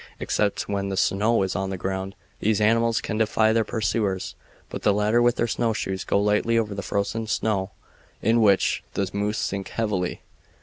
Except when the snow is on the ground these animals can defy their pursuers, but the latter with their snowshoes go lightly over the frozen snow, in which the moose sink heavily.